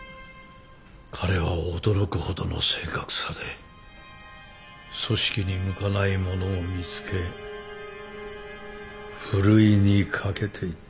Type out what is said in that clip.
彼は驚くほどの正確さで組織に向かない者を見つけふるいにかけていった。